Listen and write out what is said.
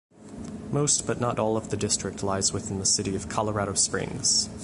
Most but not all of the district lies within the city of Colorado Springs.